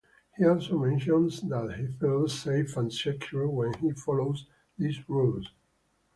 He also mentions that he feels safe and secure when he follows these rules.